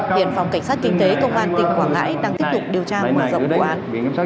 hiện phòng cảnh sát kinh tế công an tỉnh quảng ngãi đang tiếp tục điều tra ngoài dòng quán